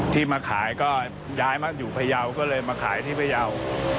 ที่มาขายก็ย้ายมาอยู่พยาวก็เลยมาขายที่พยาว